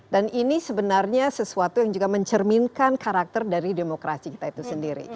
dan ini sebenarnya sesuatu yang juga mencerminkan karakter dari demokrasi kita itu sendiri